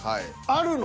あるの？